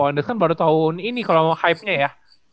opo andet kan baru tahun ini kalau hype nya ya